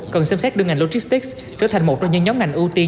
cần xem xét đưa ngành logistics trở thành một trong những nhóm ngành ưu tiên